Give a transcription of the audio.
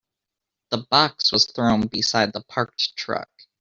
The box was thrown beside the parked truck.